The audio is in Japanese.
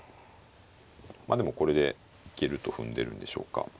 まあでもこれで行けると踏んでるんでしょうか。